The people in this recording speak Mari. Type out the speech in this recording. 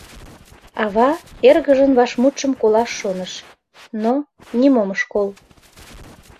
Ава эргыжын вашмутшым колаш шоныш, но нимом ыш кол.